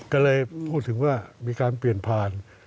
ก็เลยพูดถึงว่ามีการเปลี่ยนผ่าน